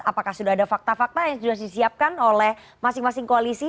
apakah sudah ada fakta fakta yang sudah disiapkan oleh masing masing koalisi